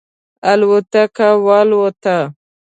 الوتکه والوته.